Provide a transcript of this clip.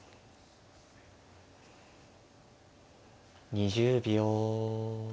２０秒。